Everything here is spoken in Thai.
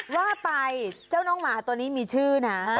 ว่าไปเจ้าน้องหมาตัวนี้มีชื่อนะ